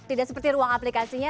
tidak seperti ruang aplikasinya